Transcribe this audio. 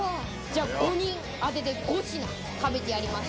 ５人当てて、５品食べてやります！